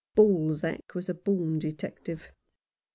Balzac was a born detective.